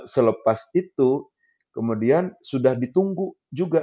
selepas itu kemudian sudah ditunggu juga